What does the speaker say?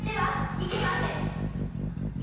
いけません！